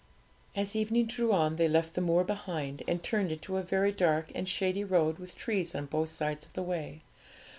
As evening drew on, they left the moor behind, and turned into a very dark and shady road with trees on both sides of the way.